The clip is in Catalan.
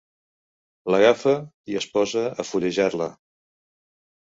L'agafa i es posa a fullejar-la.